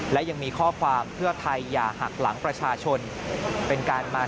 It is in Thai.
และยังมีข้อความเพื่อไทยอย่าหักหลังประชาชน